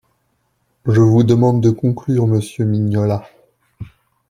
Je vous demande de conclure, monsieur Mignola.